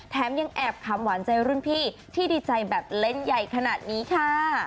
ยังแอบคำหวานใจรุ่นพี่ที่ดีใจแบบเล่นใหญ่ขนาดนี้ค่ะ